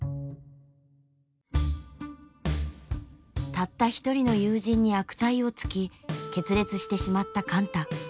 たった一人の友人に悪態をつき決裂してしまった貫多。